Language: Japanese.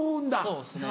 そうですね。